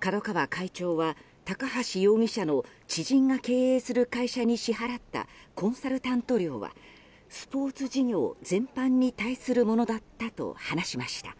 角川会長は高橋容疑者の知人が経営する会社に支払ったコンサルタント料はスポーツ事業全般に対するものだったと話しました。